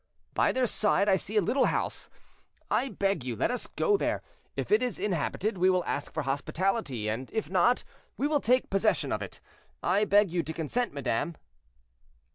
"By their side I see a little house; I beg you, let us go there. If it is inhabited, we will ask for hospitality; and if not, we will take possession of it. I beg you to consent, madame."